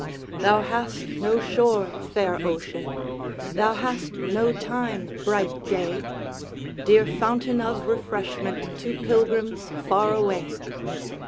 Thou hast no shore, fair Ocean! Thou hast no time, bright Day! Dear fountain of refreshment To pilgrims far away!